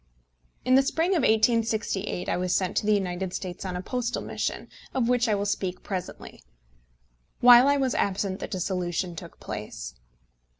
In the spring of 1868 I was sent to the United States on a postal mission, of which I will speak presently. While I was absent the dissolution took place.